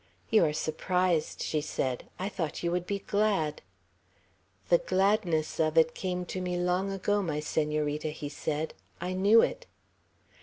"You are surprised," she said. "I thought you would be glad." "The gladness of it came to me long ago, my Senorita," he said. "I knew it!"